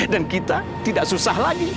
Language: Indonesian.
dan kita tidak susah lagi